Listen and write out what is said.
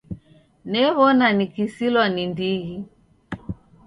New'ona nikisilwa ni ndighi.